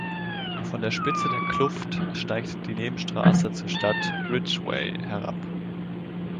Von der Spitze der Kluft steigt die Nebenstraße zur Stadt Ridgway herab.